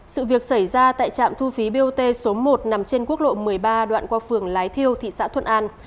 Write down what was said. sự việc xảy ra tại trạm thu phí bot số một nằm trên quốc lộ một mươi ba đoạn qua phường lái thiêu thị xã thuận an